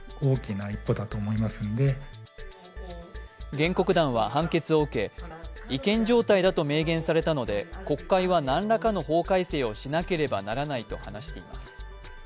原告団は判決を受け、違憲状態と明言されたので国会は何らかの法改正をしなければならないと話しています。